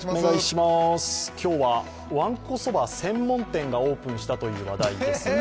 今日はわんこそば専門店がオープンしたという話題です。